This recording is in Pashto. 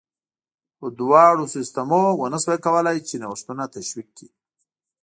خو دواړو سیستمونو ونه شوای کولای چې نوښتونه تشویق کړي